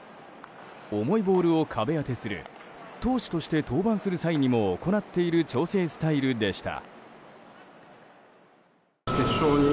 重いボールを壁当てする投手として登板する際にも行っている調整スタイルでした。